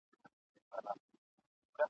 چي د غرونو په لمن کي ښکار ته ساز وو ..